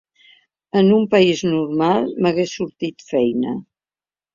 En un país normal, m’hagués sortit feina.